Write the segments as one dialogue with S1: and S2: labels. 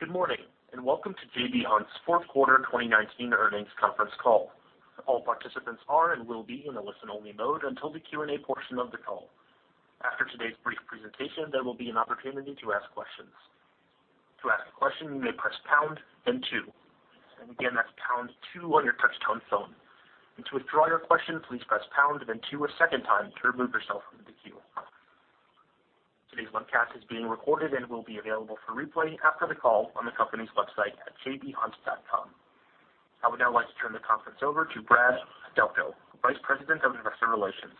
S1: Good morning, and welcome to J.B. Hunt's fourth quarter 2019 earnings conference call. All participants are and will be in a listen-only mode until the Q&A portion of the call. After today's brief presentation, there will be an opportunity to ask questions. To ask a question, you may press pound and two. Again, that's pound two on your touch-tone phone. To withdraw your question, please press pound and then two a second time to remove yourself from the queue. Today's webcast is being recorded and will be available for replay after the call on the company's website at jbhunt.com. I would now like to turn the conference over to Brad Delco, Vice President of Investor Relations.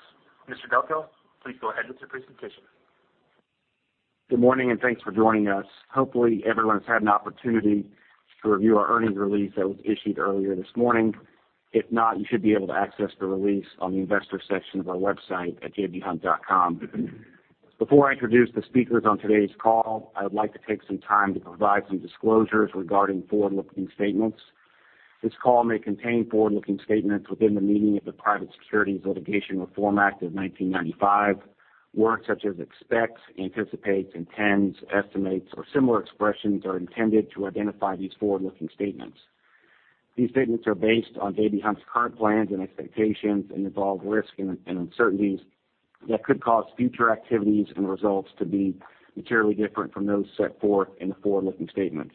S1: Mr. Delco, please go ahead with your presentation.
S2: Good morning, and thanks for joining us. Hopefully, everyone's had an opportunity to review our earnings release that was issued earlier this morning. If not, you should be able to access the release on the investor section of our website at jbhunt.com. Before I introduce the speakers on today's call, I would like to take some time to provide some disclosures regarding forward-looking statements. This call may contain forward-looking statements within the meaning of the Private Securities Litigation Reform Act of 1995. Words such as expects, anticipates, intends, estimates, or similar expressions are intended to identify these forward-looking statements. These statements are based on J.B. Hunt's current plans and expectations and involve risk and uncertainties that could cause future activities and results to be materially different from those set forth in the forward-looking statements.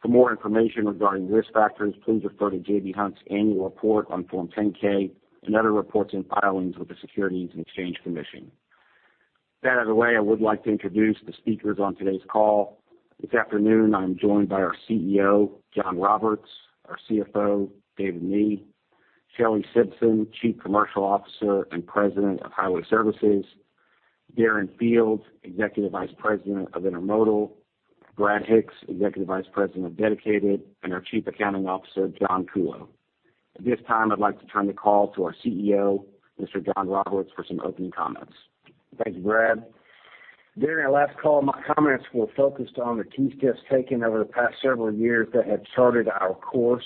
S2: For more information regarding risk factors, please refer to J.B. Hunt's annual report on Form 10-K and other reports and filings with the Securities and Exchange Commission. That out of the way, I would like to introduce the speakers on today's call. This afternoon, I'm joined by our CEO, John Roberts, our CFO, David Mee, Shelley Simpson, Chief Commercial Officer and President of Highway Services, Darren Field, Executive Vice President of Intermodal, Brad Hicks, Executive Vice President of Dedicated, and our Chief Accounting Officer, John Kuhlow. At this time, I'd like to turn the call to our CEO, Mr. John Roberts, for some opening comments.
S3: Thanks, Brad. During our last call, my comments were focused on the key steps taken over the past several years that have charted our course.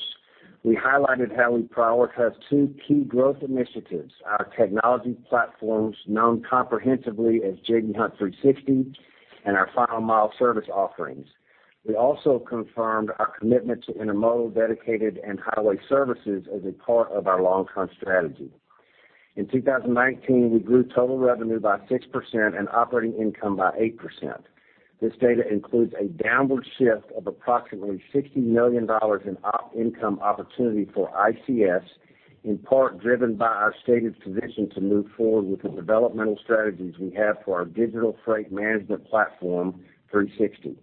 S3: We highlighted how we prioritize two key growth initiatives, our technology platforms, known comprehensively as J.B. Hunt 360, and our final mile service offerings. We also confirmed our commitment to intermodal, dedicated, and highway services as a part of our long-term strategy. In 2019, we grew total revenue by 6% and operating income by 8%. This data includes a downward shift of approximately $60 million in op income opportunity for ICS, in part driven by our stated position to move forward with the developmental strategies we have for our digital freight management platform 360.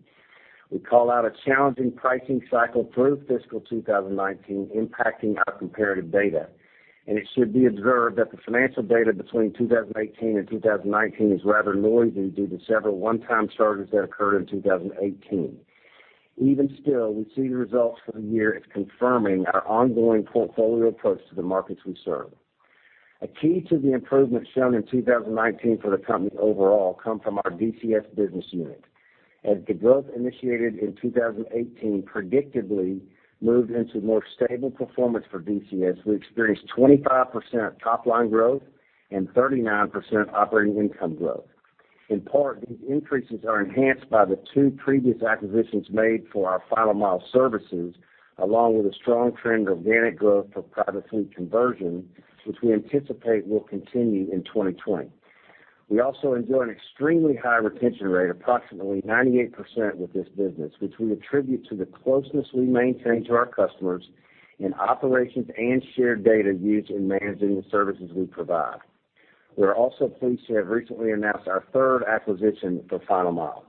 S3: We call out a challenging pricing cycle through fiscal 2019 impacting our comparative data, and it should be observed that the financial data between 2018 and 2019 is rather noisy due to several one-time charges that occurred in 2018. Even still, we see the results for the year as confirming our ongoing portfolio approach to the markets we serve. A key to the improvements shown in 2019 for the company overall come from our DCS business unit. As the growth initiated in 2018 predictably moved into more stable performance for DCS, we experienced 25% top-line growth and 39% operating income growth. In part, these increases are enhanced by the two previous acquisitions made for our final mile services, along with a strong trend of organic growth for private fleet conversion, which we anticipate will continue in 2020. We also enjoy an extremely high retention rate, approximately 98%, with this business, which we attribute to the closeness we maintain to our customers in operations and shared data used in managing the services we provide. We are also pleased to have recently announced our third acquisition for final mile.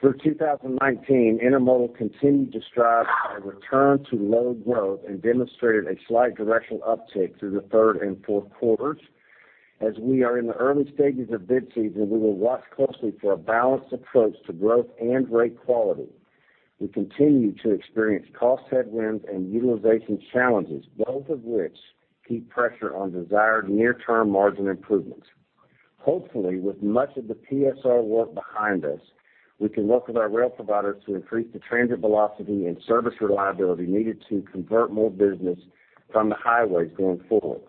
S3: Through 2019, intermodal continued to strive for a return to low growth and demonstrated a slight directional uptick through the third and fourth quarters. As we are in the early stages of bid season, we will watch closely for a balanced approach to growth and rate quality. We continue to experience cost headwinds and utilization challenges, both of which keep pressure on desired near-term margin improvements. Hopefully, with much of the PSR work behind us, we can work with our rail providers to increase the transit velocity and service reliability needed to convert more business from the highways going forward.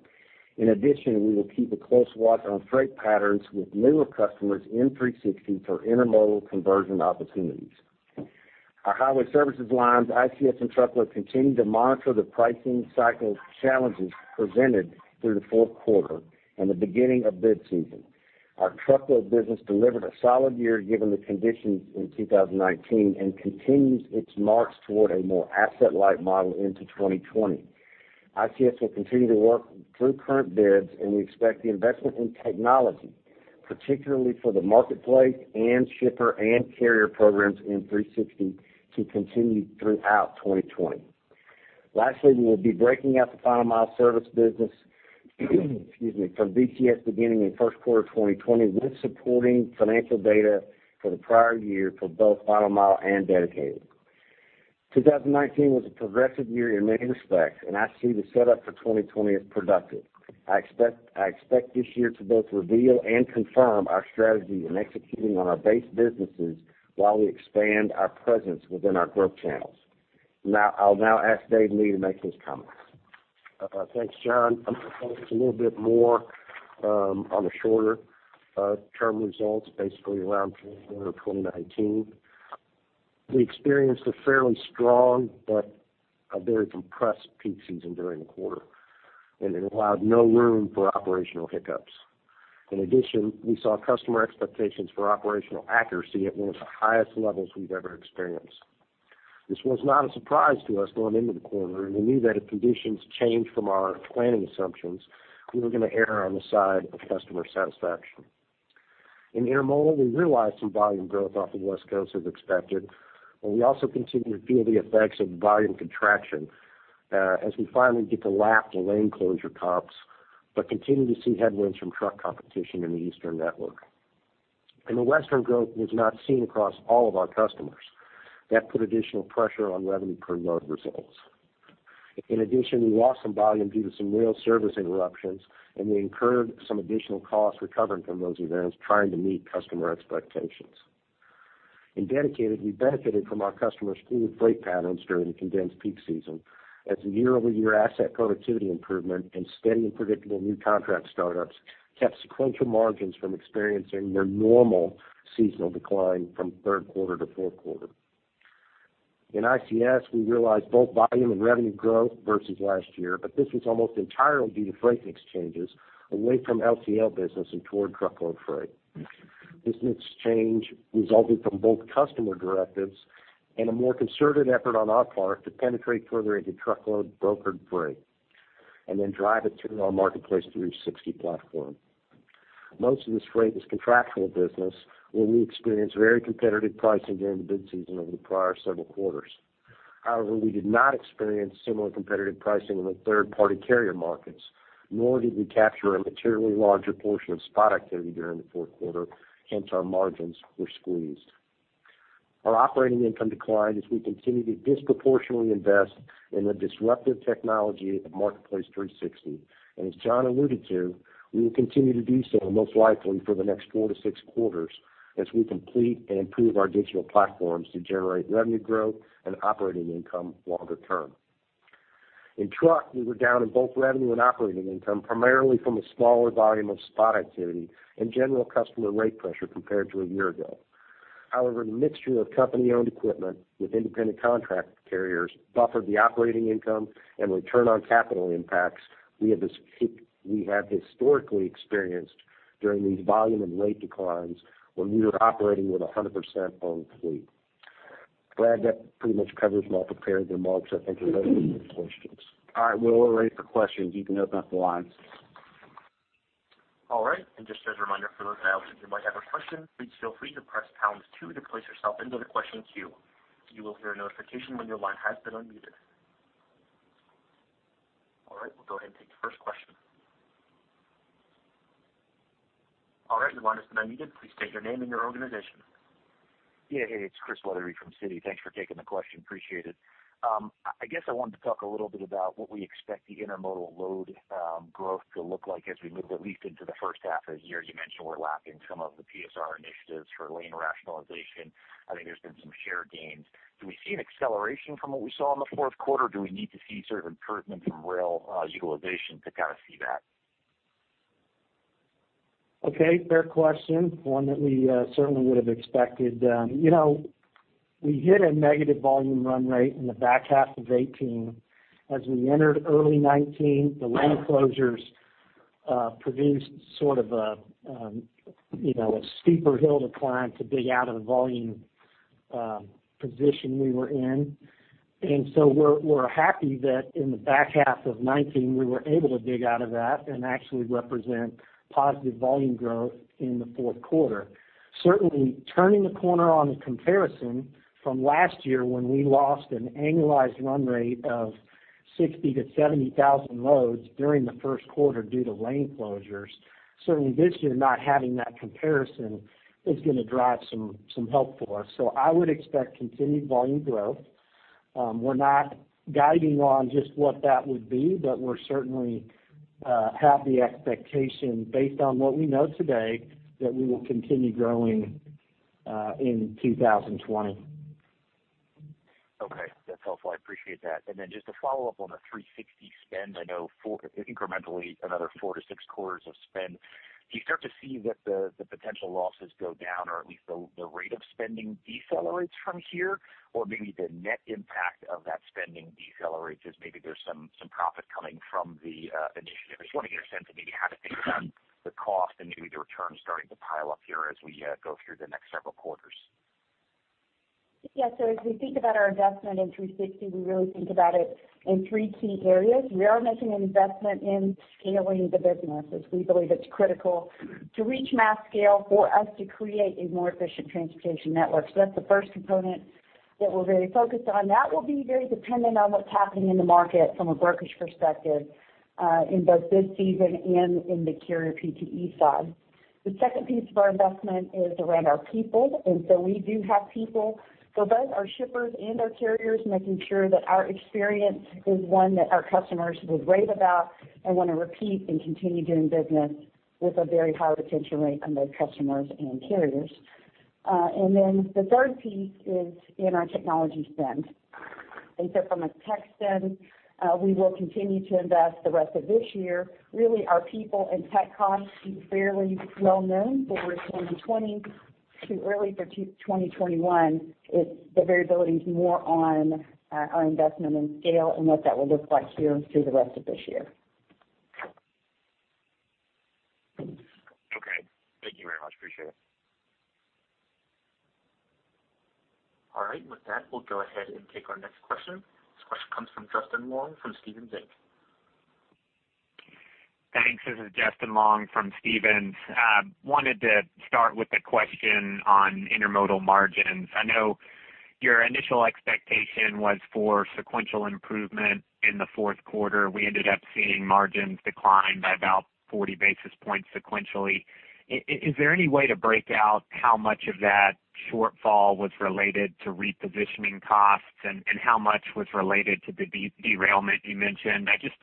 S3: In addition, we will keep a close watch on freight patterns with newer customers in 360 for intermodal conversion opportunities. Our highway services lines, ICS and Truckload, continue to monitor the pricing cycle challenges presented through the fourth quarter and the beginning of bid season. Our Truckload business delivered a solid year given the conditions in 2019 and continues its march toward a more asset-light model into 2020. ICS will continue to work through current bids, and we expect the investment in technology, particularly for the marketplace and shipper and carrier programs in 360, to continue throughout 2020. Lastly, we will be breaking out the final mile service business from DCS beginning in first quarter 2020 with supporting financial data for the prior year for both final mile and dedicated. 2019 was a progressive year in many respects, and I see the setup for 2020 as productive. I expect this year to both reveal and confirm our strategy in executing on our base businesses while we expand our presence within our growth channels. I'll now ask David Mee to make his comments.
S4: Thanks, John. I'm going to focus a little bit more on the shorter-term results, basically around 2019. We experienced a fairly strong but a very compressed peak season during the quarter, and it allowed no room for operational hiccups. In addition, we saw customer expectations for operational accuracy at one of the highest levels we've ever experienced. This was not a surprise to us going into the quarter, and we knew that if conditions changed from our planning assumptions, we were going to err on the side of customer satisfaction. In intermodal, we realized some volume growth off the West Coast as expected, but we also continued to feel the effects of volume contraction as we finally get to lap the lane closure comps but continue to see headwinds from truck competition in the eastern network. The western growth was not seen across all of our customers. That put additional pressure on revenue per load results. In addition, we lost some volume due to some rail service interruptions, and we incurred some additional costs recovering from those events, trying to meet customer expectations. In Dedicated, we benefited from our customers' smooth freight patterns during the condensed peak season as year-over-year asset productivity improvement and steady and predictable new contract startups kept sequential margins from experiencing their normal seasonal decline from third quarter to fourth quarter. In ICS, we realized both volume and revenue growth versus last year, but this was almost entirely due to freight exchanges away from LTL business and toward truckload freight. This exchange resulted from both customer directives and a more concerted effort on our part to penetrate further into truckload brokered freight and then drive it through our J.B. Hunt 360 platform. Most of this freight was contractual business where we experienced very competitive pricing during the bid season over the prior several quarters. However, we did not experience similar competitive pricing in the third-party carrier markets, nor did we capture a materially larger portion of spot activity during the fourth quarter. Our margins were squeezed. Our operating income declined as we continue to disproportionately invest in the disruptive technology of J.B. Hunt 360. As John alluded to, we will continue to do so most likely for the next four to six quarters as we complete and improve our digital platforms to generate revenue growth and operating income longer term. In Truck, we were down in both revenue and operating income, primarily from a smaller volume of spot activity and general customer rate pressure compared to a year ago. However, the mixture of company-owned equipment with independent contract carriers buffered the operating income and return on capital impacts we have historically experienced during these volume and rate declines when we were operating with 100% owned fleet. Brad, that pretty much covers my prepared remarks. I think you're ready for questions.
S2: All right, we're ready for questions. You can open up the lines.
S1: All right. Just as a reminder for those of you who might have a question, please feel free to press pound two to place yourself into the question queue. You will hear a notification when your line has been unmuted. All right, we'll go ahead and take the first question. All right, your line has been unmuted. Please state your name and your organization.
S5: Yeah. Hey, it's Chris Wetherbee from Citi. Thanks for taking the question, appreciate it. I guess I wanted to talk a little bit about what we expect the intermodal load growth to look like as we move at least into the first half of the year. You mentioned we're lapping some of the PSR initiatives for lane rationalization. I think there's been some share gains. Do we see an acceleration from what we saw in the fourth quarter? Do we need to see sort of improvement from rail utilization to kind of see that?
S6: Okay, fair question, one that we certainly would have expected. We hit a negative volume run rate in the back half of 2018. As we entered early 2019, the lane closures produced sort of a steeper hill to climb to dig out of the volume position we were in. We're happy that in the back half of 2019, we were able to dig out of that and actually represent positive volume growth in the fourth quarter. Certainly, turning the corner on the comparison from last year when we lost an annualized run rate of 60,000-70,000 loads during the first quarter due to lane closures. Certainly this year, not having that comparison is going to drive some help for us. I would expect continued volume growth. We're not guiding on just what that would be, but we certainly have the expectation based on what we know today that we will continue growing in 2020.
S5: Okay. That's helpful. I appreciate that. Just to follow up on the 360 spend, I know incrementally another four to six quarters of spend. Do you start to see that the potential losses go down or at least the rate of spending decelerates from here? Maybe the net impact of that spending decelerates as maybe there's some profit coming from the initiative. I just want to get a sense of maybe how to think about the cost and maybe the returns starting to pile up here as we go through the next several quarters.
S4: Yeah. As we think about our investment in J.B. Hunt 360, we really think about it in three key areas. We are making an investment in scaling the business, as we believe it's critical to reach mass scale for us to create a more efficient transportation network. That's the first component that we're very focused on. That will be very dependent on what's happening in the market from a brokerage perspective in both bid season and in the carrier PTE side. The second piece of our investment is around our people. We do have people for both our shippers and our carriers, making sure that our experience is one that our customers would rave about and want to repeat and continue doing business with a very high retention rate on both customers and carriers.
S7: The third piece is in our technology spend. From a tech spend, we will continue to invest the rest of this year. Really our people and tech costs seem fairly well-known for 2020 to early 2021. The variability is more on our investment in scale and what that will look like here through the rest of this year.
S5: Okay. Thank you very much. Appreciate it.
S1: All right. With that, we'll go ahead and take our next question. This question comes from Justin Long, from Stephens Inc.
S8: Thanks. This is Justin Long from Stephens. I wanted to start with a question on intermodal margins. I know your initial expectation was for sequential improvement in the fourth quarter. We ended up seeing margins decline by about 40 basis points sequentially. Is there any way to break out how much of that shortfall was related to repositioning costs and how much was related to the derailment you mentioned? I just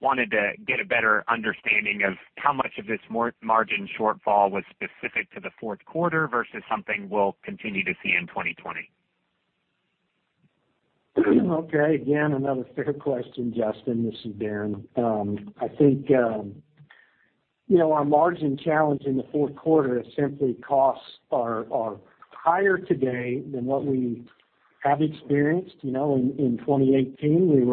S8: wanted to get a better understanding of how much of this margin shortfall was specific to the fourth quarter versus something we'll continue to see in 2020.
S6: Okay. Again, another fair question, Justin. This is Darren. I think our margin challenge in the fourth quarter is simply costs are higher today than what we have experienced. In 2018, we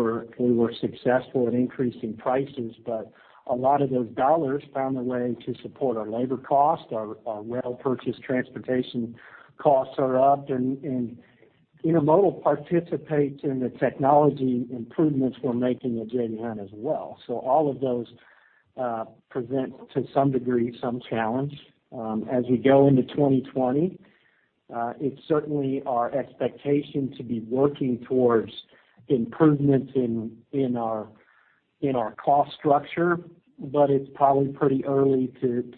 S6: were successful at increasing prices, but a lot of those dollars found a way to support our labor cost. Our rail purchase transportation costs are up, and intermodal participates in the technology improvements we're making at J.B. Hunt as well. All of those present, to some degree, some challenge. As we go into 2020, it's certainly our expectation to be working towards improvements in our cost structure, but it's probably pretty early to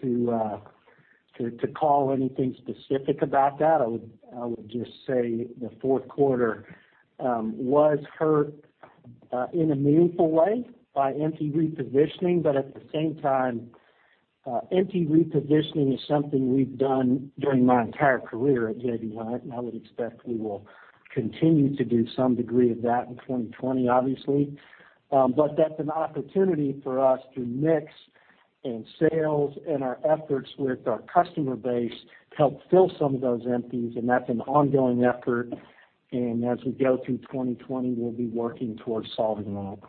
S6: call anything specific about that. I would just say the fourth quarter was hurt in a meaningful way by empty repositioning, but at the same time, empty repositioning is something we've done during my entire career at J.B. Hunt, I would expect we will continue to do some degree of that in 2020, obviously. That's an opportunity for us through mix and sales and our efforts with our customer base to help fill some of those empties, and that's an ongoing effort, and as we go through 2020, we'll be working towards solving that.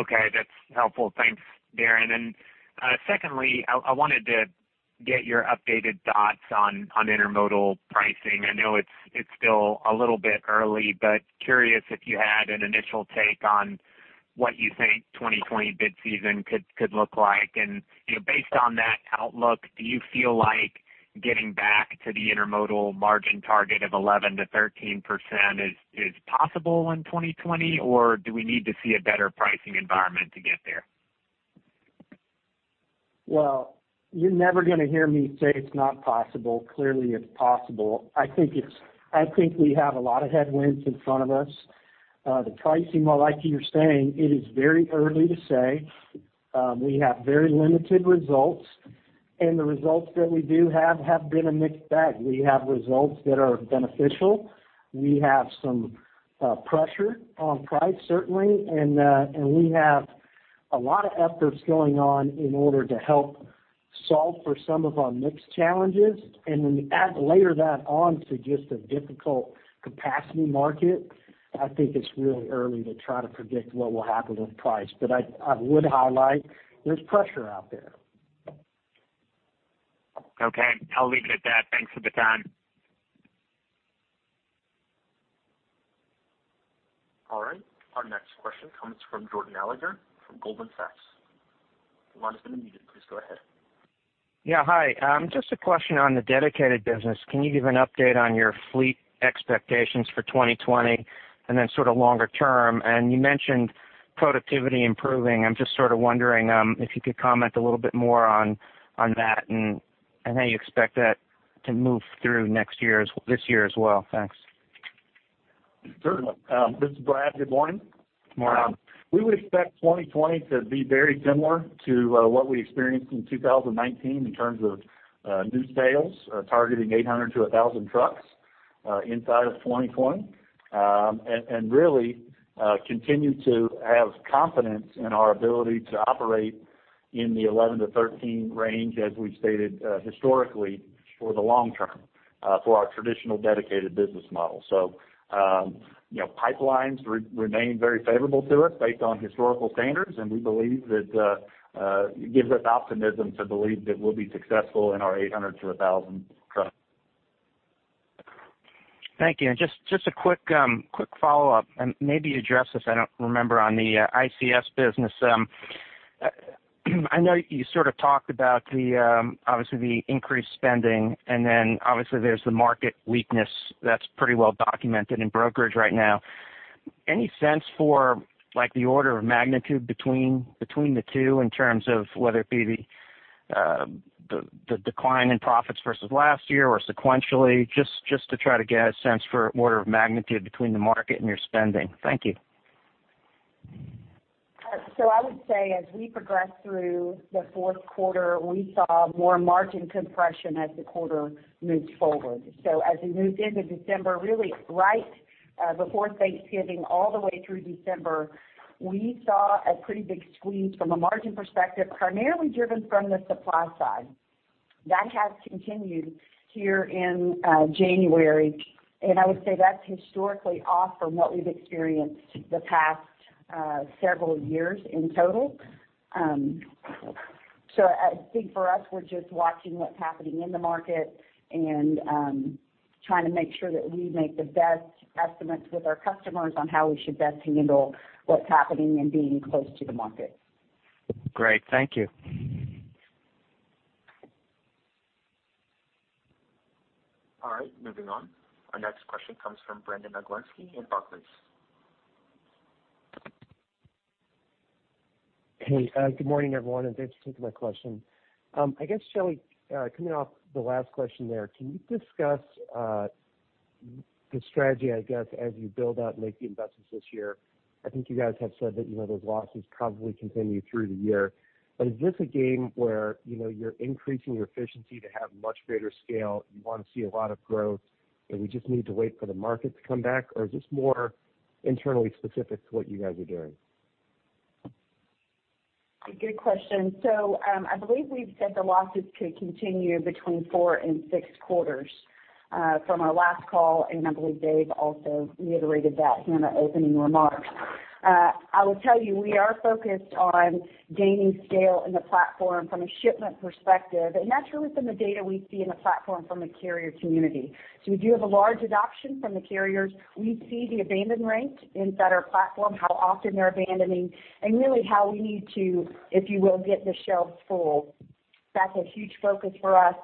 S8: Okay. That's helpful. Thanks, Darren. Secondly, I wanted to get your updated thoughts on intermodal pricing. I know it's still a little bit early, but curious if you had an initial take on what you think 2020 bid season could look like. Based on that outlook, do you feel like getting back to the intermodal margin target of 11%-13% is possible in 2020, or do we need to see a better pricing environment to get there?
S6: Well, you're never going to hear me say it's not possible. Clearly, it's possible. I think we have a lot of headwinds in front of us. The pricing, like you're saying, it is very early to say. We have very limited results, and the results that we do have have been a mixed bag. We have results that are beneficial. We have some pressure on price, certainly, and we have a lot of efforts going on in order to help solve for some of our mix challenges. When you layer that on to just a difficult capacity market, I think it's really early to try to predict what will happen with price. I would highlight there's pressure out there.
S8: Okay, I'll leave it at that. Thanks for the time.
S1: All right. Our next question comes from Jordan Alliger from Goldman Sachs. Your line has been unmuted. Please go ahead.
S9: Yeah. Hi. Just a question on the dedicated business. Can you give an update on your fleet expectations for 2020, then sort of longer term? You mentioned productivity improving. I'm just sort of wondering if you could comment a little bit more on that and how you expect that to move through this year as well. Thanks.
S10: Certainly. This is Brad. Good morning.
S9: Morning.
S10: We would expect 2020 to be very similar to what we experienced in 2019 in terms of new sales. Targeting 800 to 1,000 trucks inside of 2020. Really, continue to have confidence in our ability to operate in the 11 to 13 range, as we've stated historically, for the long term for our traditional Dedicated business model. Pipelines remain very favorable to us based on historical standards, and it gives us optimism to believe that we'll be successful in our 800 to 1,000 trucks.
S9: Thank you. Just a quick follow-up, and maybe you addressed this, I don't remember, on the ICS business. I know you sort of talked about obviously the increased spending, obviously there's the market weakness that's pretty well documented in brokerage right now. Any sense for the order of magnitude between the two in terms of whether it be the decline in profits versus last year or sequentially, just to try to get a sense for order of magnitude between the market and your spending? Thank you.
S7: I would say as we progress through the fourth quarter, we saw more margin compression as the quarter moved forward. As we moved into December, really right before Thanksgiving, all the way through December, we saw a pretty big squeeze from a margin perspective, primarily driven from the supply side. That has continued here in January, and I would say that's historically off from what we've experienced the past several years in total. I think for us, we're just watching what's happening in the market and trying to make sure that we make the best estimates with our customers on how we should best handle what's happening and being close to the market.
S9: Great. Thank you.
S1: All right. Moving on. Our next question comes from Brandon Oglenski in Barclays.
S11: Hey, good morning, everyone, and thanks for taking my question. I guess, Shelley, coming off the last question there, can you discuss the strategy, I guess, as you build out and make the investments this year? I think you guys have said that those losses probably continue through the year. But is this a game where you're increasing your efficiency to have much greater scale, you want to see a lot of growth, and we just need to wait for the market to come back? Or is this more internally specific to what you guys are doing?
S7: Good question. I believe we've said the losses could continue between four and six quarters from our last call, and I believe Dave also reiterated that in the opening remarks. I will tell you, we are focused on gaining scale in the platform from a shipment perspective, and that's really from the data we see in the platform from the carrier community. We do have a large adoption from the carriers. We see the abandon rate inside our platform, how often they're abandoning, and really how we need to, if you will, get the shelves full. That's a huge focus for us.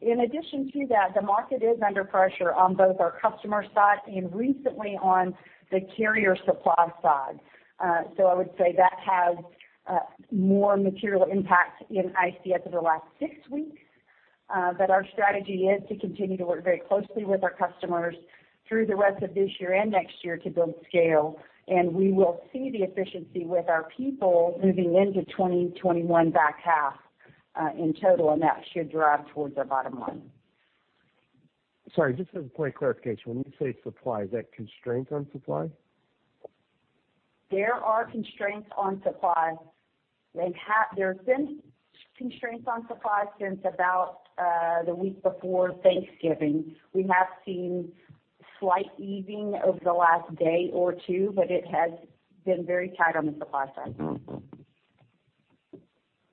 S7: In addition to that, the market is under pressure on both our customer side and recently on the carrier supply side. I would say that has more material impact in ICS over the last six weeks. Our strategy is to continue to work very closely with our customers through the rest of this year and next year to build scale. We will see the efficiency with our people moving into 2021 back half in total. That should drive towards our bottom line.
S11: Sorry, just as a point of clarification, when you say supply, is that constraint on supply?
S7: There are constraints on supply. There have been constraints on supply since about the week before Thanksgiving. We have seen slight easing over the last day or two, but it has been very tight on the supply side.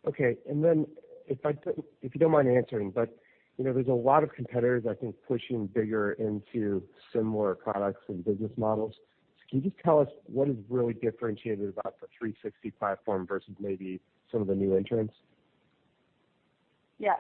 S11: Okay. If you don't mind answering, but there's a lot of competitors, I think, pushing bigger into similar products and business models. Can you just tell us what is really differentiated about the 360 platform versus maybe some of the new entrants?
S7: Yeah.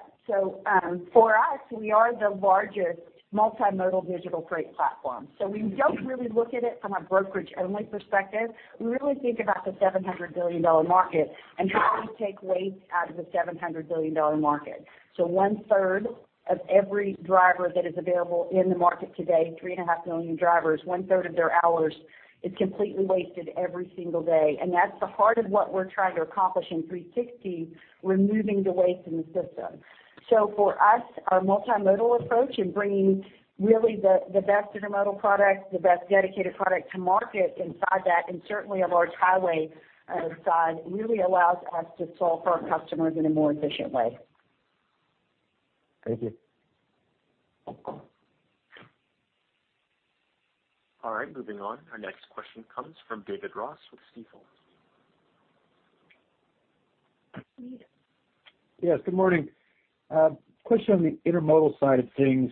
S7: For us, we are the largest multimodal digital freight platform. We don't really look at it from a brokerage-only perspective. We really think about the $700 billion market and how we take waste out of the $700 billion market. One third of every driver that is available in the market today, three and a half million drivers, one third of their hours is completely wasted every single day, and that's the heart of what we're trying to accomplish in 360, removing the waste in the system. For us, our multimodal approach in bringing really the best intermodal product, the best dedicated product to market inside that, and certainly a large highway side, really allows us to solve for our customers in a more efficient way.
S11: Thank you.
S1: All right. Moving on. Our next question comes from David Ross with Stifel.
S12: Mute. Yes, good morning. Question on the intermodal side of things.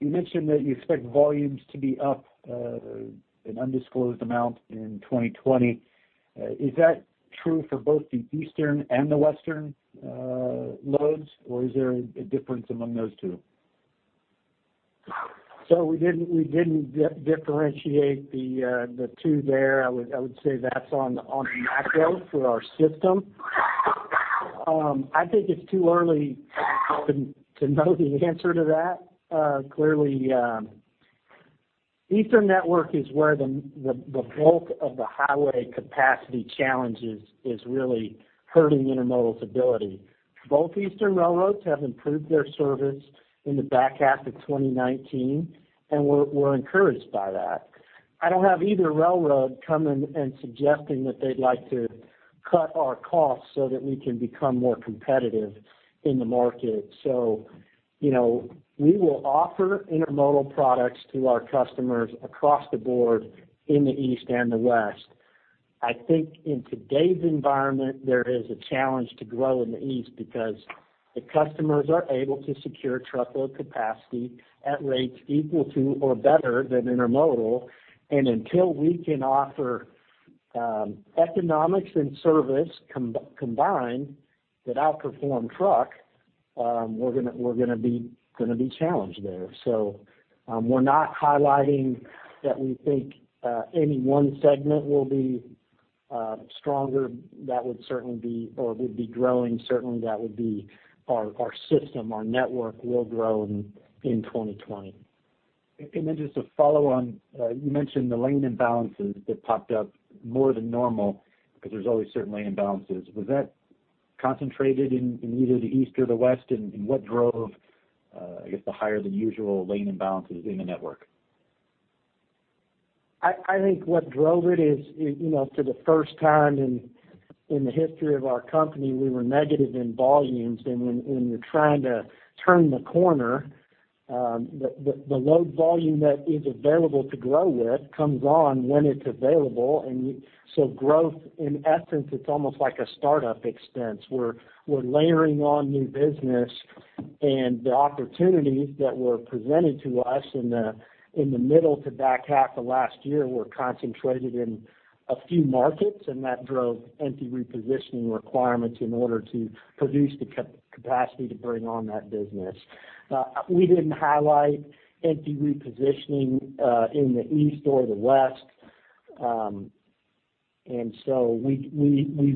S12: You mentioned that you expect volumes to be up an undisclosed amount in 2020. Is that true for both the Eastern and the Western loads, or is there a difference among those two?
S6: We didn't differentiate the two there. I would say that's on the macro for our system. I think it's too early to know the answer to that. Clearly, Eastern network is where the bulk of the highway capacity challenges is really hurting intermodal's ability. Both eastern railroads have improved their service in the back half of 2019, and we're encouraged by that. I don't have either railroad coming and suggesting that they'd like to cut our costs so that we can become more competitive in the market. We will offer intermodal products to our customers across the board in the East and the West. I think in today's environment, there is a challenge to grow in the East because the customers are able to secure truckload capacity at rates equal to or better than intermodal.
S7: Until we can offer economics and service combined that outperform truck, we're going to be challenged there. We're not highlighting that we think any one segment will be stronger. That would certainly be, or would be growing, certainly that would be our system, our network will grow in 2020.
S12: Just to follow on, you mentioned the lane imbalances that popped up more than normal because there's always certain lane imbalances. Was that concentrated in either the East or the West? What drove, I guess, the higher than usual lane imbalances in the network?
S6: I think what drove it is, for the first time in the history of our company, we were negative in volumes. When you're trying to turn the corner, the load volume that is available to grow with comes on when it's available. Growth, in essence, it's almost like a startup expense. We're layering on new business, and the opportunities that were presented to us in the middle to back half of last year were concentrated in a few markets, and that drove empty repositioning requirements in order to produce the capacity to bring on that business. We didn't highlight empty repositioning in the East or the West. We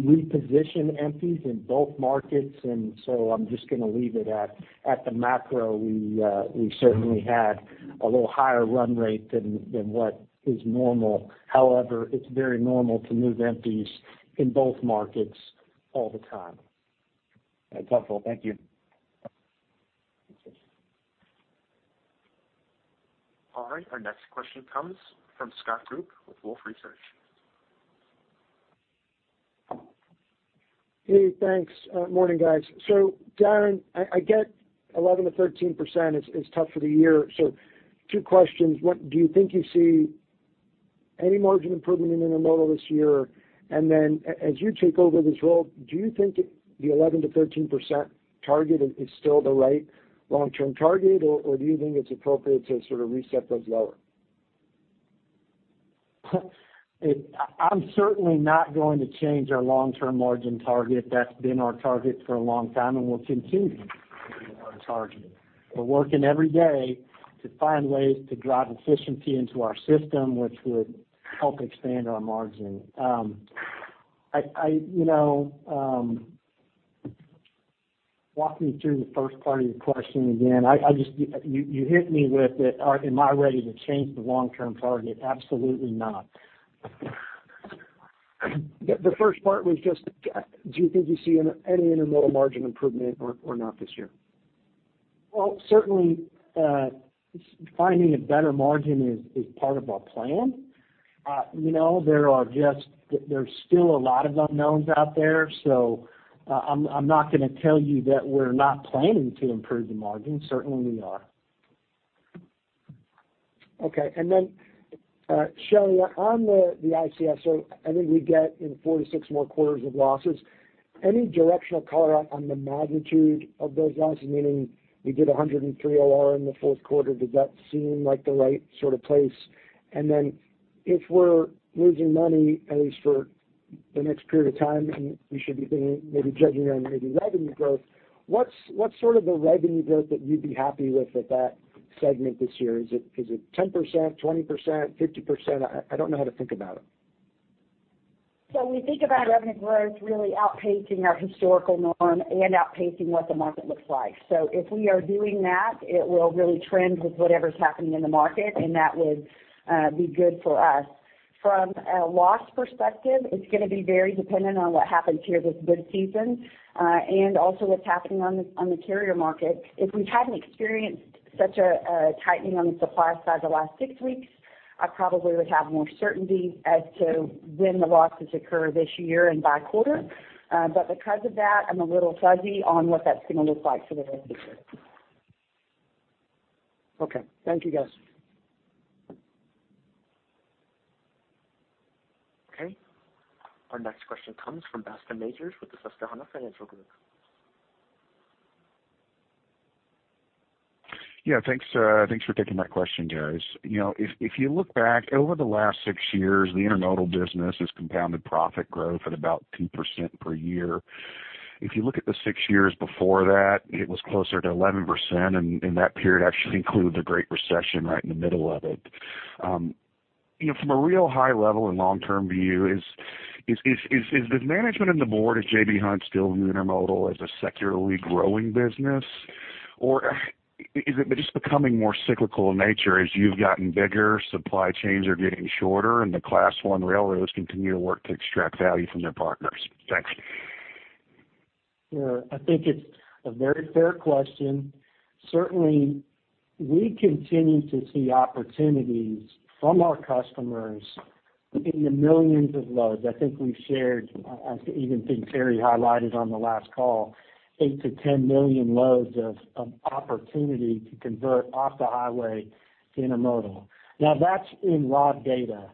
S6: reposition empties in both markets, and so I'm just going to leave it at the macro. We certainly had a little higher run rate than what is normal. However, it's very normal to move empties in both markets all the time.
S12: That's helpful. Thank you.
S1: All right. Our next question comes from Scott Group with Wolfe Research.
S13: Hey, thanks. Morning, guys. Darren, I get 11%-13% is tough for the year. Two questions. Do you think you see any margin improvement in intermodal this year? As you take over this role, do you think the 11%-13% target is still the right long-term target, or do you think it's appropriate to sort of reset those lower?
S6: I'm certainly not going to change our long-term margin target. That's been our target for a long time, and will continue to be our target. We're working every day to find ways to drive efficiency into our system, which would help expand our margin. Walk me through the first part of your question again. You hit me with, am I ready to change the long-term target? Absolutely not.
S13: The first part was just, do you think you see any intermodal margin improvement or not this year?
S6: Certainly, finding a better margin is part of our plan. There's still a lot of unknowns out there, so I'm not going to tell you that we're not planning to improve the margin. Certainly, we are.
S13: Okay. Shelley, on the ICS, I think we get in 4 to 6 more quarters of losses. Any directional color on the magnitude of those losses? Meaning we did 103 OR in the fourth quarter. Does that seem like the right sort of place? If we're losing money, at least for the next period of time, and we should be thinking maybe judging on maybe revenue growth, what's sort of the revenue growth that you'd be happy with at that segment this year? Is it 10%, 20%, 50%? I don't know how to think about it.
S7: We think about revenue growth really outpacing our historical norm and outpacing what the market looks like. If we are doing that, it will really trend with whatever's happening in the market, and that would be good for us. From a loss perspective, it's going to be very dependent on what happens here this bid season, and also what's happening on the carrier market. If we hadn't experienced such a tightening on the supply side the last six weeks, I probably would have more certainty as to when the losses occur this year and by quarter. Because of that, I'm a little fuzzy on what that's going to look like for the rest of the year.
S13: Okay. Thank you, guys.
S1: Okay. Our next question comes from Bascome Majors with the Susquehanna Financial Group.
S14: Yeah. Thanks for taking my question, guys. If you look back over the last six years, the intermodal business has compounded profit growth at about 2% per year. If you look at the six years before that, it was closer to 11%, and that period actually includes the Great Recession right in the middle of it. From a real high level and long-term view, is the management and the board of J.B. Hunt still viewing intermodal as a secularly growing business? Is it just becoming more cyclical in nature as you've gotten bigger, supply chains are getting shorter, and the Class I railroads continue to work to extract value from their partners? Thanks.
S6: Sure. I think it's a very fair question. Certainly, we continue to see opportunities from our customers in the millions of loads. I think we shared, I even think Terry highlighted on the last call, eight to 10 million loads of opportunity to convert off the highway to intermodal. That's in raw data.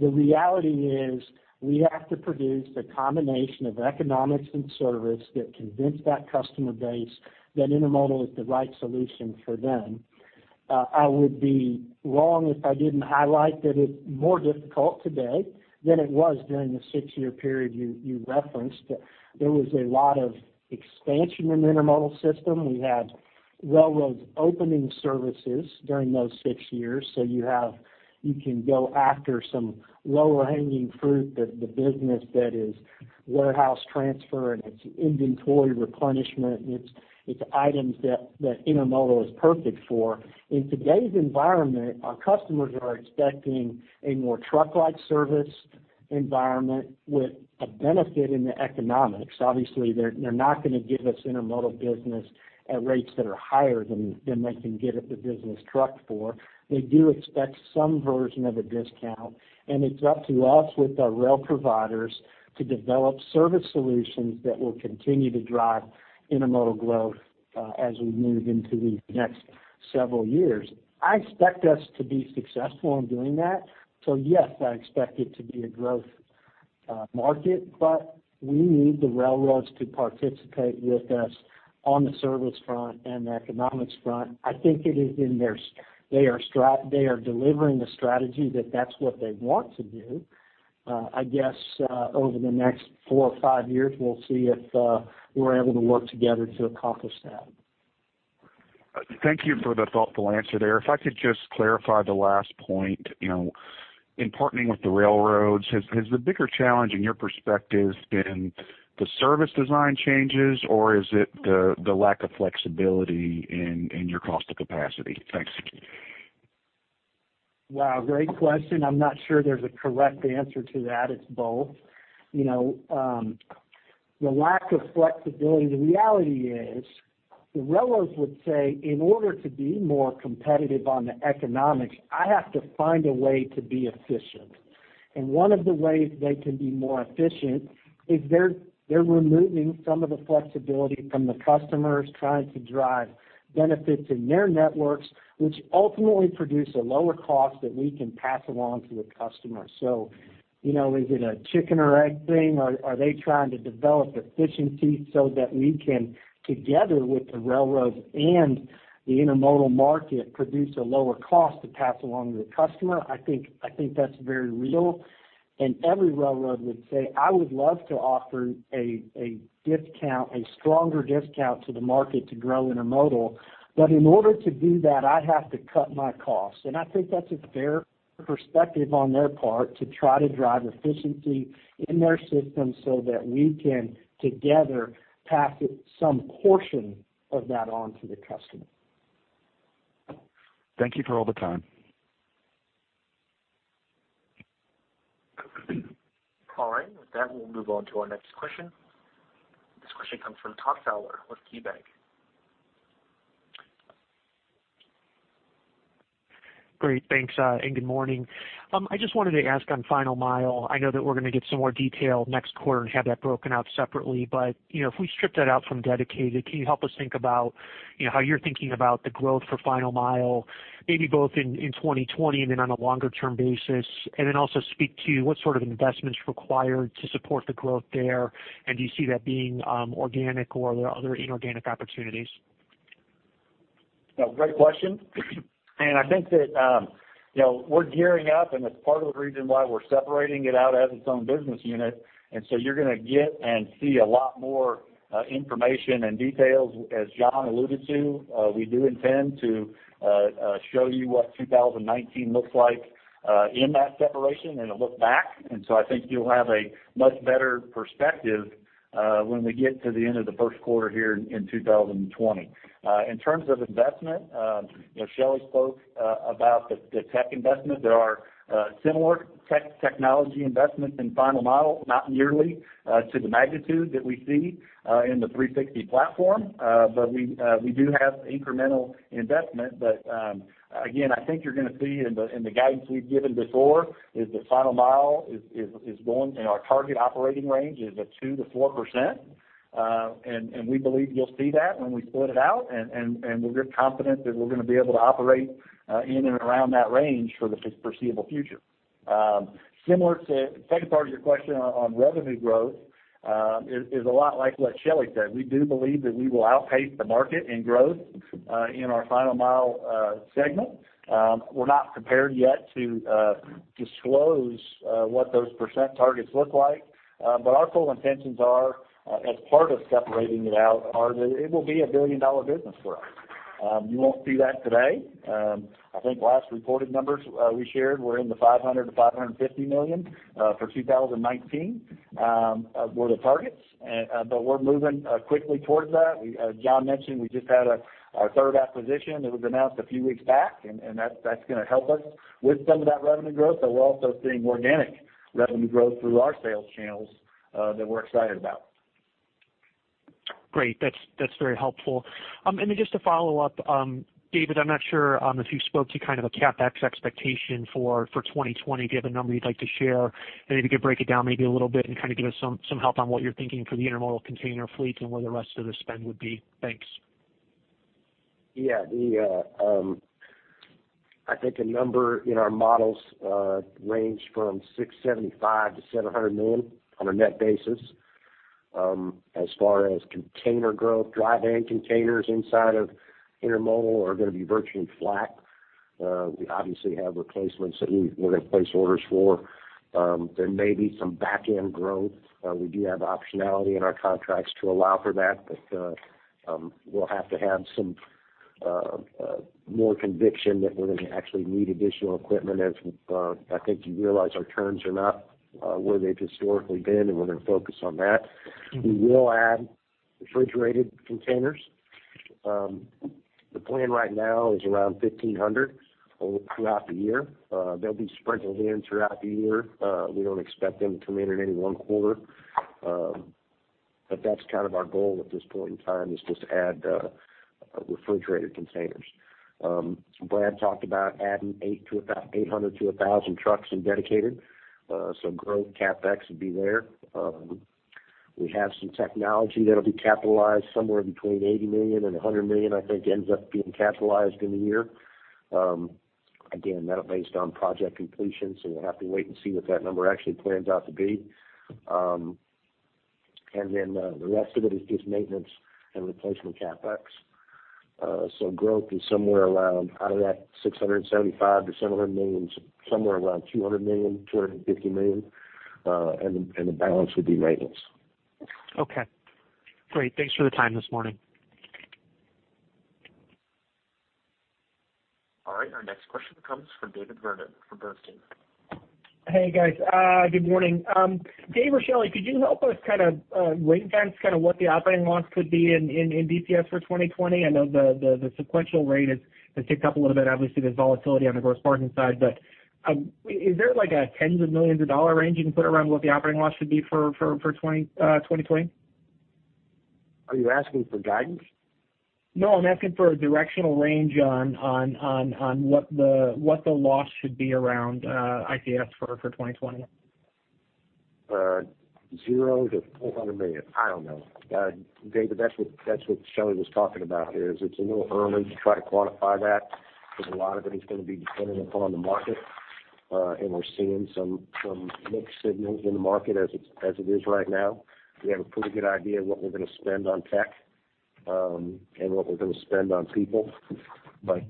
S6: The reality is we have to produce the combination of economics and service that convince that customer base that intermodal is the right solution for them. I would be wrong if I didn't highlight that it's more difficult today than it was during the six-year period you referenced. There was a lot of expansion in intermodal system. We had railroads opening services during those six years. You can go after some lower hanging fruit that the business that is warehouse transfer, and it's inventory replenishment, it's items that intermodal is perfect for. In today's environment, our customers are expecting a more truck-like service environment with a benefit in the economics. Obviously, they're not going to give us intermodal business at rates that are higher than they can give the business truck for. They do expect some version of a discount, It's up to us with our rail providers to develop service solutions that will continue to drive intermodal growth as we move into the next several years. I expect us to be successful in doing that. Yes, I expect it to be a growth market, but we need the railroads to participate with us on the service front and the economics front. I think they are delivering the strategy that that's what they want to do. I guess over the next four or five years, we'll see if we're able to work together to accomplish that.
S14: Thank you for the thoughtful answer there. If I could just clarify the last point. In partnering with the railroads, has the bigger challenge in your perspective been the service design changes, or is it the lack of flexibility in your cost to capacity? Thanks.
S6: Wow, great question. I'm not sure there's a correct answer to that. It's both. The lack of flexibility, the reality is, the railroads would say, in order to be more competitive on the economics, I have to find a way to be efficient. One of the ways they can be more efficient is they're removing some of the flexibility from the customers trying to drive benefits in their networks, which ultimately produce a lower cost that we can pass along to the customer. Is it a chicken or egg thing? Are they trying to develop efficiency so that we can, together with the railroads and the intermodal market, produce a lower cost to pass along to the customer? I think that's very real. Every railroad would say, "I would love to offer a stronger discount to the market to grow intermodal. In order to do that, I have to cut my costs." I think that's a fair perspective on their part to try to drive efficiency in their system so that we can together pass some portion of that on to the customer.
S14: Thank you for all the time.
S1: All right. With that, we'll move on to our next question. This question comes from Todd Fowler with KeyBanc.
S15: Great. Thanks, good morning. I just wanted to ask on final mile. I know that we're going to get some more detail next quarter and have that broken out separately. If we strip that out from dedicated, can you help us think about how you're thinking about the growth for final mile, maybe both in 2020 and then on a longer-term basis? Also speak to what sort of investments required to support the growth there, and do you see that being organic or are there other inorganic opportunities?
S10: Great question. I think that we're gearing up, and it's part of the reason why we're separating it out as its own business unit. You're going to get and see a lot more information and details. As John alluded to, we do intend to show you what 2019 looks like in that separation and a look back. I think you'll have a much better perspective when we get to the end of the first quarter here in 2020. In terms of investment, Shelley spoke about the tech investment. There are similar technology investments in Final Mile, not nearly to the magnitude that we see in the J.B. Hunt 360 platform. We do have incremental investment. Again, I think you're going to see in the guidance we've given before, is that Final Mile is going, and our target operating range is a 2%-4%. We believe you'll see that when we split it out, and we're confident that we're going to be able to operate in and around that range for the foreseeable future. Similar to the second part of your question on revenue growth, is a lot like what Shelley said. We do believe that we will outpace the market in growth in our Final Mile segment. We're not prepared yet to disclose what those % targets look like. Our full intentions are, as part of separating it out, are that it will be a billion-dollar business for us. You won't see that today. I think last reported numbers we shared were in the $500 million-$550 million for 2019, were the targets. We're moving quickly towards that. As John mentioned, we just had our third acquisition that was announced a few weeks back. That's going to help us with some of that revenue growth. We're also seeing organic revenue growth through our sales channels that we're excited about.
S15: Great. That's very helpful. Just to follow up, David, I'm not sure if you spoke to kind of a CapEx expectation for 2020. Do you have a number you'd like to share? If you could break it down maybe a little bit and kind of give us some help on what you're thinking for the intermodal container fleet and where the rest of the spend would be. Thanks.
S6: Yeah. I think the number in our models range from $675 million-$700 million on a net basis. As far as container growth, dry van containers inside of intermodal are going to be virtually flat. We obviously have replacements that we're going to place orders for. There may be some back-end growth. We do have optionality in our contracts to allow for that, but we'll have to have some more conviction that we're going to actually need additional equipment as, I think you realize our turns are not where they've historically been, and we're going to focus on that. We will add refrigerated containers
S4: The plan right now is around 1,500 throughout the year. They'll be sprinkled in throughout the year. We don't expect them to come in in any one quarter. That's kind of our goal at this point in time, is just add refrigerated containers. Brad talked about adding 800 to 1,000 trucks in dedicated. Growth CapEx would be there. We have some technology that'll be capitalized somewhere between $80 million and $100 million, I think ends up being capitalized in the year. Again, that based on project completion, we'll have to wait and see what that number actually pans out to be. The rest of it is just maintenance and replacement CapEx. Growth is somewhere around, out of that $675 million-$700 million, somewhere around $200 million, $250 million, and the balance would be maintenance.
S15: Okay, great. Thanks for the time this morning.
S1: All right. Our next question comes from David Vernon from Bernstein.
S16: Hey, guys. Good morning. Dave or Shelley, could you help us kind of ring-fence kind of what the operating loss could be in ICS for 2020? I know the sequential rate has ticked up a little bit. Obviously, there's volatility on the gross margin side, but is there like a tens of millions of dollar range you can put around what the operating loss should be for 2020?
S4: Are you asking for guidance?
S16: No, I'm asking for a directional range on what the loss should be around ICS for 2020.
S4: Zero-$400 million. I don't know. David, that's what Shelley was talking about, is it's a little early to try to quantify that, because a lot of it is going to be dependent upon the market. We're seeing some mixed signals in the market as it is right now. We have a pretty good idea of what we're going to spend on tech, and what we're going to spend on people.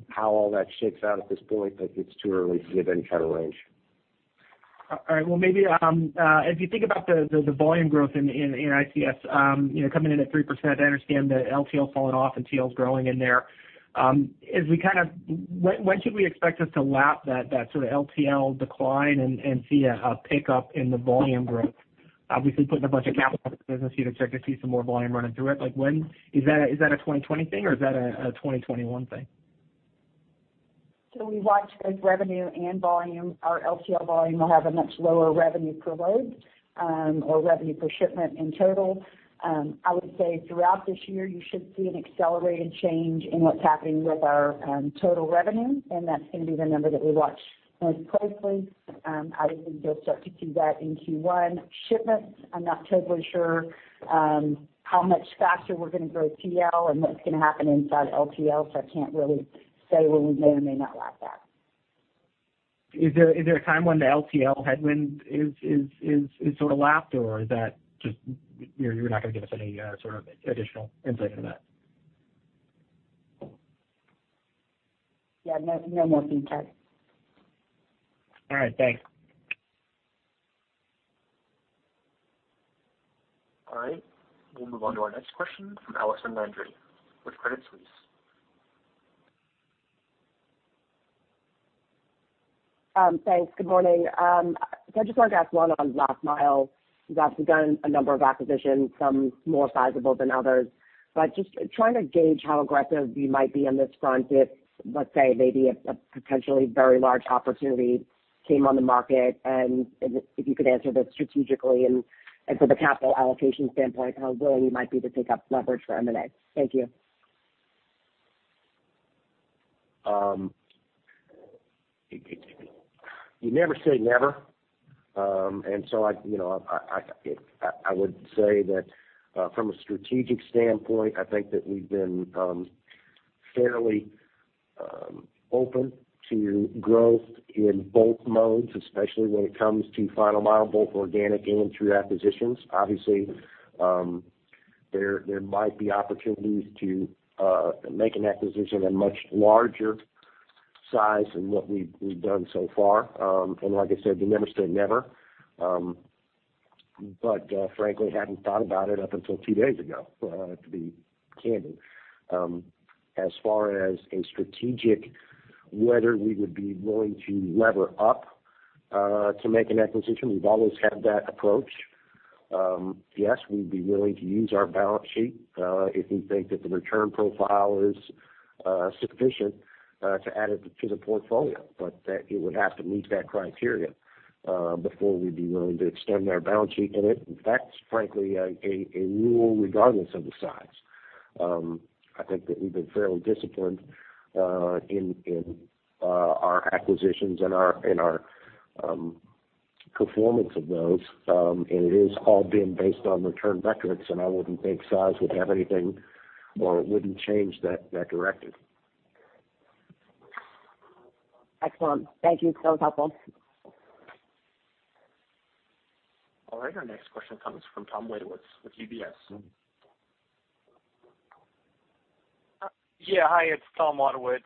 S4: How all that shakes out at this point, I think it's too early to give any kind of range.
S16: All right. Well, maybe if you think about the volume growth in ICS coming in at 3%, I understand that LTL is falling off and TL is growing in there. When should we expect us to lap that sort of LTL decline and see a pickup in the volume growth? Obviously putting a bunch of capital into the business, you'd expect to see some more volume running through it. Is that a 2020 thing, or is that a 2021 thing?
S7: We watch both revenue and volume. Our LTL volume will have a much lower revenue per load, or revenue per shipment in total. I would say throughout this year, you should see an accelerated change in what's happening with our total revenue, and that's going to be the number that we watch most closely. I would think you'll start to see that in Q1 shipments. I'm not totally sure how much faster we're going to grow TL and what's going to happen inside LTL. I can't really say when we may or may not lap that.
S16: Is there a time when the LTL headwind is sort of lapped, or is that just, you're not going to give us any sort of additional insight into that?
S7: Yeah, no more detail.
S16: All right. Thanks.
S1: All right. We'll move on to our next question from Allison Landry with Credit Suisse.
S17: Thanks. Good morning. I just wanted to ask one on last mile. You've obviously done a number of acquisitions, some more sizable than others, but just trying to gauge how aggressive you might be on this front if, let's say, maybe a potentially very large opportunity came on the market. If you could answer this strategically and from the capital allocation standpoint, how willing you might be to take up leverage for M&A. Thank you.
S4: You never say never. I would say that from a strategic standpoint, I think that we've been fairly open to growth in both modes, especially when it comes to final mile, both organic and through acquisitions. Obviously, there might be opportunities to make an acquisition a much larger size than what we've done so far. Like I said, you never say never. Frankly, hadn't thought about it up until two days ago, to be candid. As far as a strategic, whether we would be willing to lever up to make an acquisition, we've always had that approach. Yes, we'd be willing to use our balance sheet if we think that the return profile is sufficient to add it to the portfolio. It would have to meet that criteria before we'd be willing to extend our balance sheet. That's frankly a rule regardless of the size. I think that we've been fairly disciplined in our acquisitions and our performance of those, and it has all been based on return metrics, and I wouldn't think size would have anything, or it wouldn't change that directive.
S17: Excellent. Thank you. That was helpful.
S1: All right. Our next question comes from Tom Wadewitz with UBS.
S18: Yeah. Hi, it's Tom Wadewitz.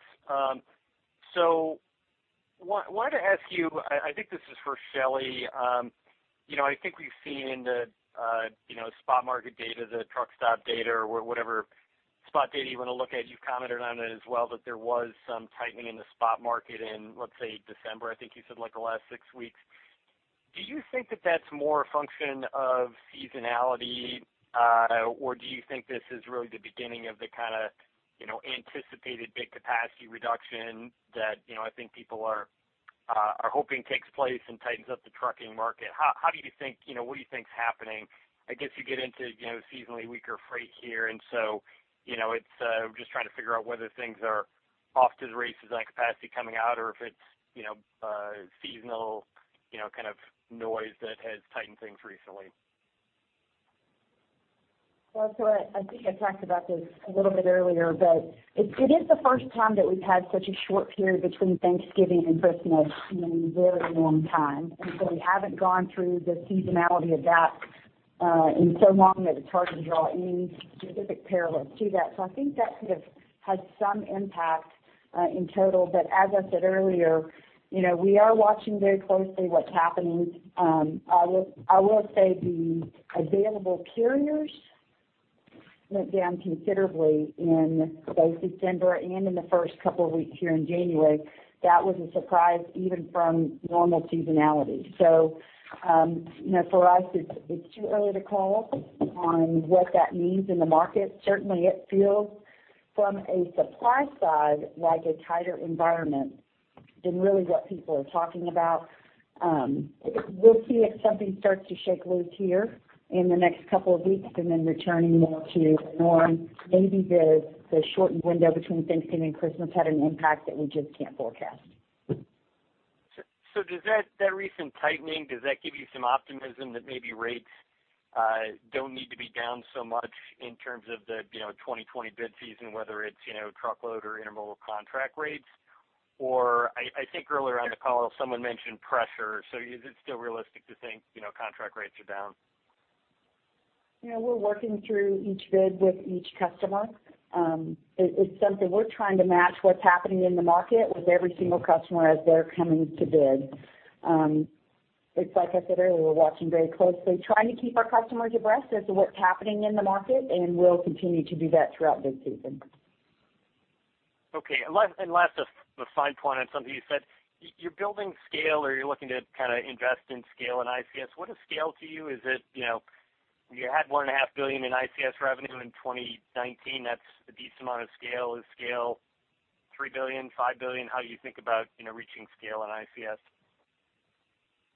S18: Wanted to ask you, I think this is for Shelley. I think we've seen the spot market data, the Truckstop data, or whatever spot data you want to look at. You commented on it as well, that there was some tightening in the spot market in, let's say, December. I think you said like the last six weeks. Do you think that that's more a function of seasonality, or do you think this is really the beginning of the anticipated big capacity reduction that I think people are hoping takes place and tightens up the trucking market? What do you think is happening? I guess you get into seasonally weaker freight here, and so I'm just trying to figure out whether things are off to the races on capacity coming out or if it's seasonal noise that has tightened things recently.
S7: I think I talked about this a little bit earlier, but it is the first time that we've had such a short period between Thanksgiving and Christmas in a very long time. We haven't gone through the seasonality of that in so long that it's hard to draw any specific parallels to that. I think that could have had some impact in total. As I said earlier, we are watching very closely what's happening. I will say the available carriers went down considerably in both September and in the first couple of weeks here in January. That was a surprise even from normal seasonality. For us, it's too early to call on what that means in the market. Certainly, it feels, from a supply side, like a tighter environment than really what people are talking about. We'll see if something starts to shake loose here in the next couple of weeks and then returning more to the norm. Maybe the shortened window between Thanksgiving and Christmas had an impact that we just can't forecast.
S18: Does that recent tightening, does that give you some optimism that maybe rates don't need to be down so much in terms of the 2020 bid season, whether it's truckload or intermodal contract rates? I think earlier on the call, someone mentioned pressure. Is it still realistic to think contract rates are down?
S7: We're working through each bid with each customer. It's something we're trying to match what's happening in the market with every single customer as they're coming to bid. It's like I said earlier, we're watching very closely, trying to keep our customers abreast as to what's happening in the market, and we'll continue to do that throughout bid season.
S18: Okay. Last, a fine point on something you said. You're building scale or you're looking to invest in scale and ICS. What is scale to you? Is it, you had $1.5 billion in ICS revenue in 2019. That's a decent amount of scale. Is scale $3 billion, $5 billion? How do you think about reaching scale on ICS?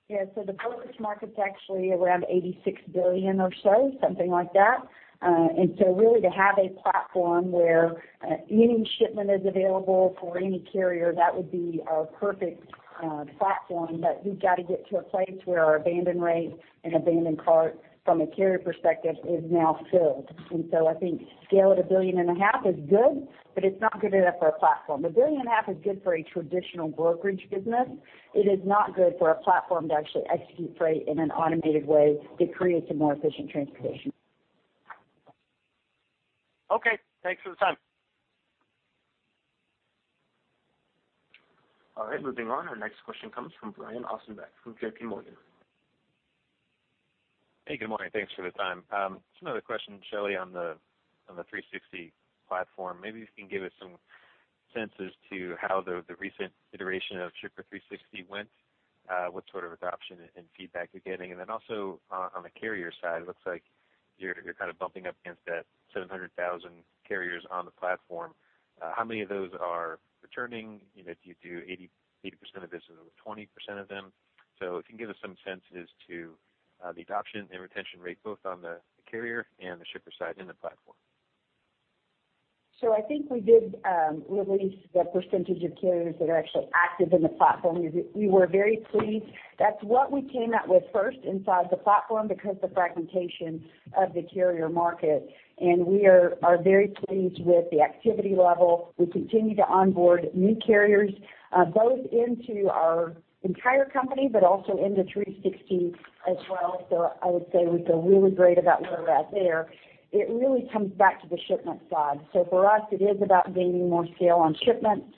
S7: Yeah. The brokerage market's actually around $86 billion or so, something like that. Really to have a platform where any shipment is available for any carrier, that would be a perfect platform. We've got to get to a place where our abandon rate and abandon cart from a carrier perspective is now filled. I think scale at a billion and a half is good, but it's not good enough for a platform. A billion and a half is good for a traditional brokerage business. It is not good for a platform to actually execute freight in an automated way that creates a more efficient transportation.
S18: Okay, thanks for the time.
S1: All right, moving on. Our next question comes from Brian Ossenbeck from J.P. Morgan.
S19: Hey, good morning. Thanks for the time. Just another question, Shelley, on the J.B. Hunt 360 platform. Maybe if you can give us some sense as to how the recent iteration of Shipper 360 went, what sort of adoption and feedback you're getting. Also on the carrier side, looks like you're kind of bumping up against that 700,000 carriers on the platform. How many of those are returning? Do you do 80% of this or is it 20% of them? If you can give us some sense as to the adoption and retention rate, both on the carrier and the shipper side in the platform.
S7: I think we did release the percentage of carriers that are actually active in the platform. We were very pleased. That's what we came out with first inside the platform because the fragmentation of the carrier market, and we are very pleased with the activity level. We continue to onboard new carriers, both into our entire company, but also into 360 as well. I would say we feel really great about where we're at there. It really comes back to the shipment side. For us, it is about gaining more scale on shipments.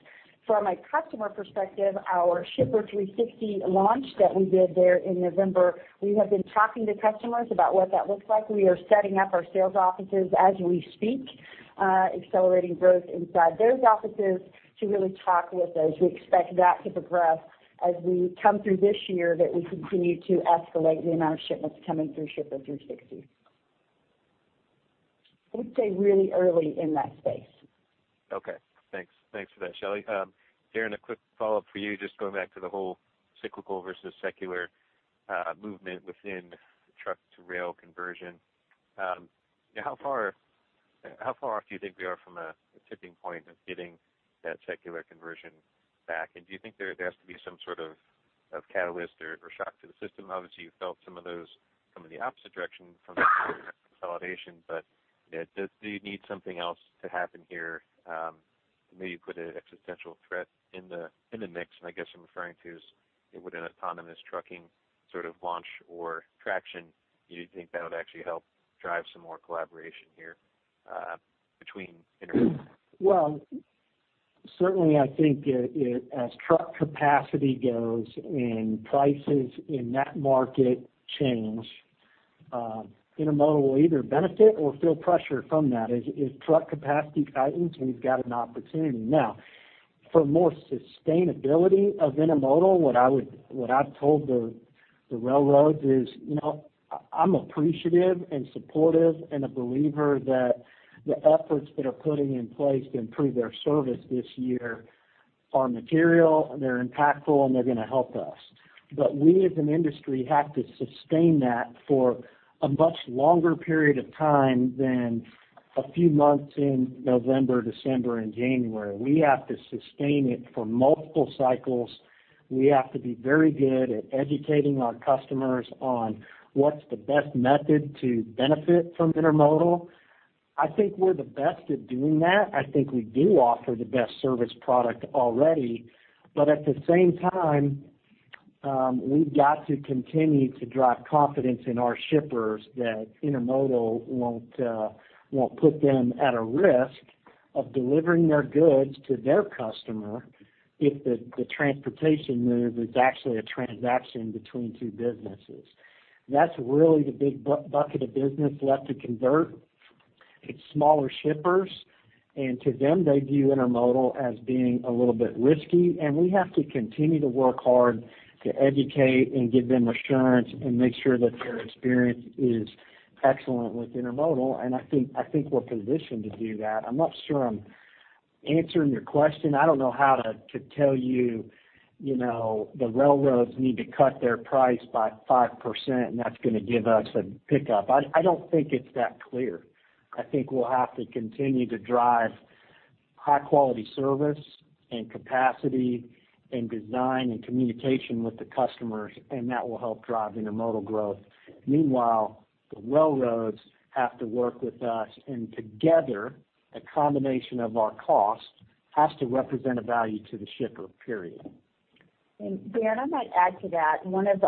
S7: From a customer perspective, our Shipper 360 launch that we did there in November, we have been talking to customers about what that looks like. We are setting up our sales offices as we speak, accelerating growth inside those offices to really talk with those. We expect that to progress as we come through this year, that we continue to escalate the amount of shipments coming through Shipper 360. I would say really early in that space.
S19: Okay, thanks. Thanks for that, Shelley. Darren, a quick follow-up for you, just going back to the whole cyclical versus secular movement within truck-to-rail conversion. How far off do you think we are from a tipping point of getting that secular conversion back? Do you think there has to be some sort of catalyst or shock to the system? Obviously, you felt some of those come in the opposite direction from a consolidation, but do you need something else to happen here to maybe put an existential threat in the mix? I guess I'm referring to is, would an autonomous trucking sort of launch or traction, do you think that would actually help drive some more collaboration here between intermodal?
S6: Well, certainly, I think as truck capacity goes and prices in that market change, Intermodal will either benefit or feel pressure from that. As truck capacity tightens, we've got an opportunity. For more sustainability of Intermodal, what I've told the railroads is, I'm appreciative and supportive and a believer that the efforts they are putting in place to improve their service this year are material, and they're impactful, and they're going to help us. We, as an industry, have to sustain that for a much longer period of time than a few months in November, December, and January. We have to sustain it for multiple cycles. We have to be very good at educating our customers on what's the best method to benefit from Intermodal. I think we're the best at doing that. I think we do offer the best service product already. At the same time, we've got to continue to drive confidence in our shippers that intermodal won't put them at a risk of delivering their goods to their customer if the transportation move is actually a transaction between two businesses. That's really the big bucket of business left to convert. It's smaller shippers. To them, they view intermodal as being a little bit risky. We have to continue to work hard to educate and give them assurance and make sure that their experience is excellent with intermodal. I think we're positioned to do that. I'm not sure I'm answering your question. I don't know how to tell you the railroads need to cut their price by 5%. That's going to give us a pickup. I don't think it's that clear. I think we'll have to continue to drive high-quality service and capacity and design and communication with the customers, and that will help drive intermodal growth. Meanwhile, the railroads have to work with us, and together, a combination of our cost has to represent a value to the shipper, period.
S7: Darren, I might add to that. One of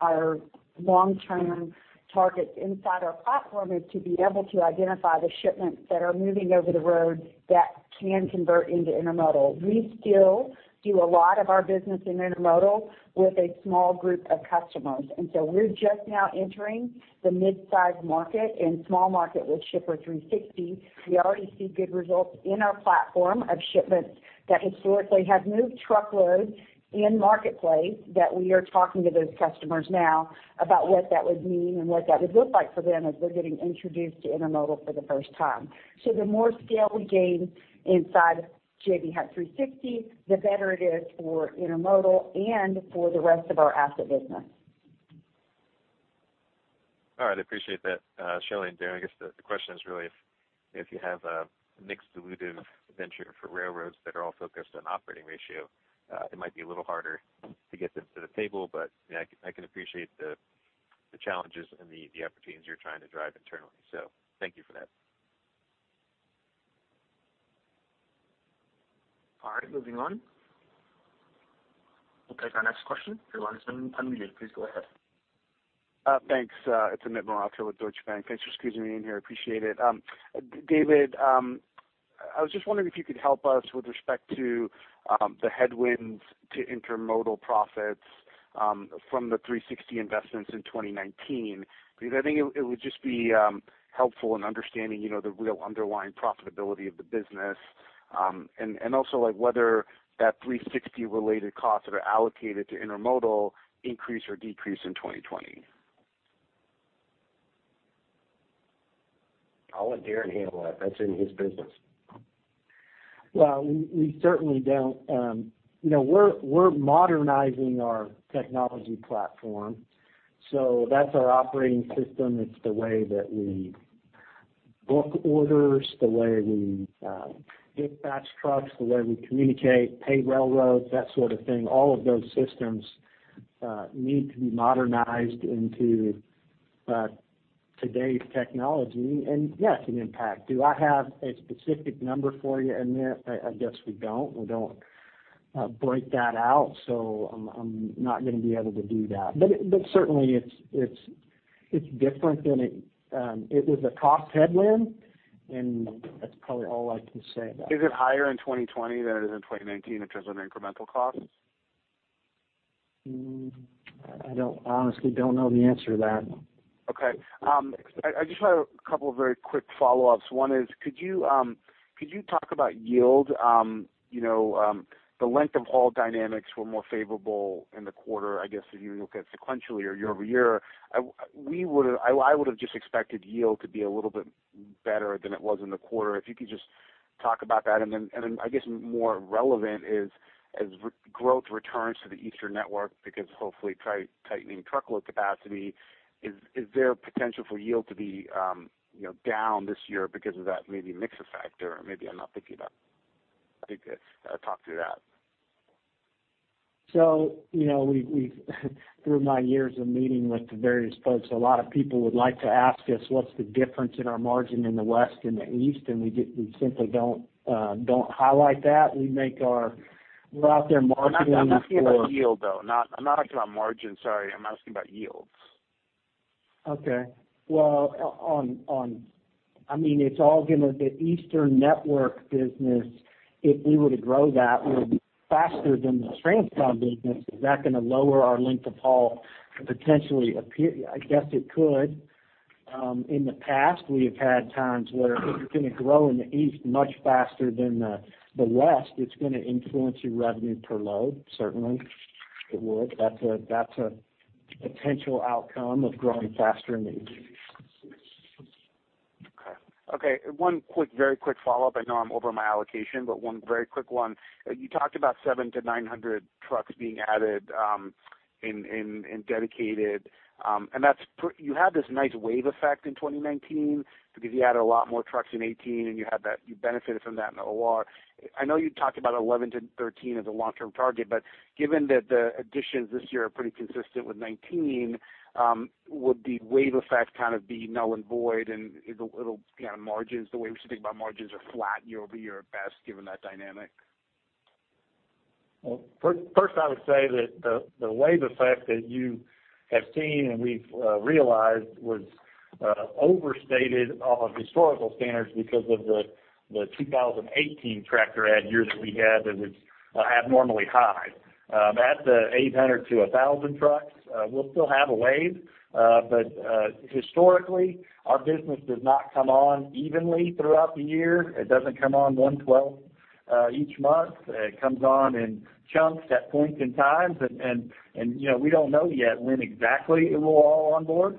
S7: our long-term targets inside our platform is to be able to identify the shipments that are moving over the road that can convert into intermodal. We still do a lot of our business in intermodal with a small group of customers. We're just now entering the midsize market and small market with Shipper 360. We already see good results in our platform of shipments that historically have moved truckload in Marketplace that we are talking to those customers now about what that would mean and what that would look like for them as they're getting introduced to intermodal for the first time. The more scale we gain inside J.B. Hunt 360, the better it is for intermodal and for the rest of our asset business.
S19: All right. Appreciate that, Shelley and Darren. I guess the question is really if you have a mixed dilutive venture for railroads that are all focused on operating ratio, it might be a little harder to get them to the table. I can appreciate the challenges and the opportunities you're trying to drive internally. Thank you for that.
S1: All right, moving on. We'll take our next question. Your line has been unmuted. Please go ahead.
S20: Thanks. It's Amit Mehrotra with Deutsche Bank. Thanks for squeezing me in here. Appreciate it. David, I was just wondering if you could help us with respect to the headwinds to intermodal profits from the 360 investments in 2019, because I think it would just be helpful in understanding the real underlying profitability of the business. Like whether that 360 related costs that are allocated to intermodal increase or decrease in 2020.
S4: I'll let Darren handle that. That's in his business. Well, we're modernizing our technology platform. That's our operating system. It's the way that we book orders, the way we dispatch trucks, the way we communicate, pay railroads, that sort of thing. All of those systems need to be modernized into today's technology. Yeah, it can impact. Do I have a specific number for you, Amit? I guess we don't. We don't break that out, I'm not going to be able to do that. Certainly it's different than it was a cost headwind, that's probably all I can say about it.
S20: Is it higher in 2020 than it is in 2019 in terms of incremental costs?
S6: I honestly don't know the answer to that.
S20: Okay. I just have a couple of very quick follow-ups. One is could you talk about yield? The length of haul dynamics were more favorable in the quarter, I guess, if you look at sequentially or year-over-year. I would have just expected yield to be a little bit better than it was in the quarter. If you could just talk about that. Then, I guess more relevant is as growth returns to the Eastern network, because hopefully tightening truckload capacity, is there potential for yield to be down this year because of that maybe mix effect? Maybe I'm not thinking about it. Talk through that.
S6: Through my years of meeting with the various folks, a lot of people would like to ask us what's the difference in our margin in the West and the East, and we simply don't highlight that. We're out there marketing.
S20: I'm asking about yield, though. I'm not asking about margin, sorry. I'm asking about yields.
S6: Well, the Eastern network business, if we were to grow that, it would be faster than the transcon business. Is that going to lower our length of haul potentially? I guess it could. In the past, we have had times where if you're going to grow in the East much faster than the West, it's going to influence your revenue per load. Certainly, it would. That's a potential outcome of growing faster in the East.
S20: Okay. One very quick follow-up. I know I'm over my allocation, one very quick one. You talked about 700 to 900 trucks being added in Dedicated. You had this nice wave effect in 2019 because you added a lot more trucks in 2018, you benefited from that in OR. I know you talked about 11 to 13 as a long-term target, given that the additions this year are pretty consistent with 2019, would the wave effect kind of be null and void, it'll be on margins the way we should think about margins are flat year-over-year at best, given that dynamic?
S10: Well, first, I would say that the wave effect that you have seen and we've realized was overstated off of historical standards because of the 2018 tractor add year that we had that was abnormally high. At the 800 to 1,000 trucks, we'll still have a wave. Historically, our business does not come on evenly throughout the year. It doesn't come on one twelfth each month. It comes on in chunks at points and times, and we don't know yet when exactly it will all onboard.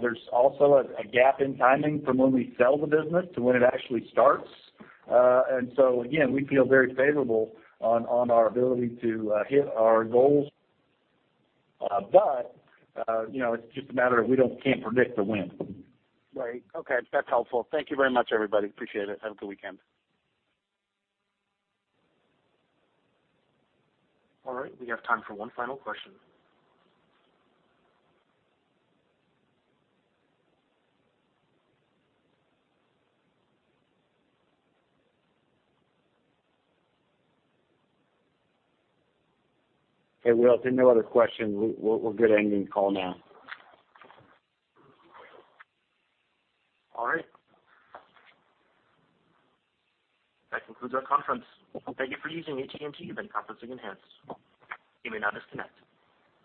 S10: There's also a gap in timing from when we sell the business to when it actually starts. Again, we feel very favorable on our ability to hit our goals. It's just a matter of we can't predict the wind.
S20: Right. Okay, that's helpful. Thank you very much, everybody. Appreciate it. Have a good weekend.
S1: All right. We have time for one final question.
S6: Hey, Will, if there are no other questions, we're good ending the call now.
S1: All right. That concludes our conference. Thank you for using AT&T Web conferencing Enhance. You may now disconnect.